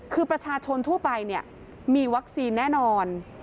คือประชาชนทั่วไปมีวัคซีนแน่นอน